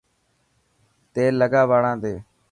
تيل لگا واڙاتي.